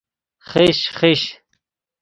خش خش